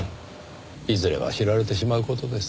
いずれは知られてしまう事です。